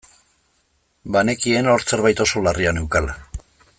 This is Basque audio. Banekien hor zerbait oso larria neukala.